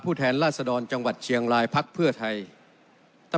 ผู้แทนราษดรจังหวัดเชียงลายพักเพื้อไทยท่าน